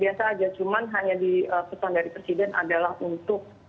biasa aja cuman hanya di pesan dari presiden adalah untuk